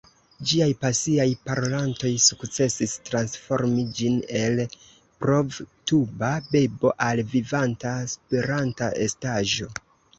Ĝiaj pasiaj parolantoj sukcesis transformi ĝin el provtuba bebo al vivanta, spiranta estaĵo.